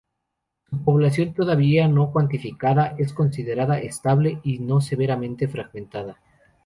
La población, todavía no cuantificada, es considerada estable y no severamente fragmentada.